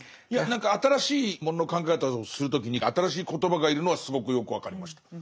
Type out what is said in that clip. いや何か新しいものの考え方をする時に新しい言葉が要るのはすごくよく分かりました。